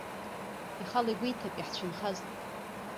Ихала игәеиҭап иаҳцәынхаз.